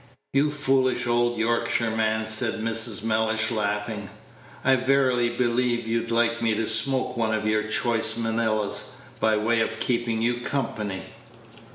"You foolish old Yorkshireman," said Mrs. Mellish, laughing, "I verily believe you'd like me to smoke one of your choice Manillas, by way of keeping you company."